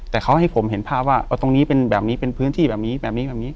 แต่เขาให้ผมเห็นภาพว่าตรงนี้เป็นแบบนี้เป็นพื้นที่แบบนี้แบบนี้แบบนี้